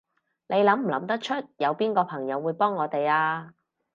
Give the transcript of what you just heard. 你諗唔諗得出，你有邊個朋友會幫我哋啊？